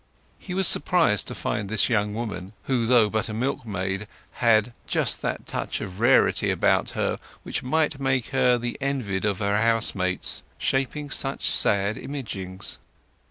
He was surprised to find this young woman—who though but a milkmaid had just that touch of rarity about her which might make her the envied of her housemates—shaping such sad imaginings.